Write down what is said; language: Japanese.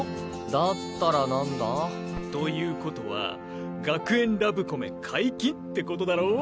だったら何だ？ということは学園ラブコメ解禁ってことだろ？